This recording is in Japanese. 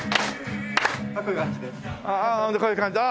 こういう感じです。